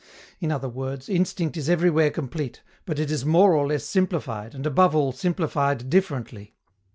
In other words, instinct is everywhere complete, but it is more or less simplified, and, above all, simplified differently.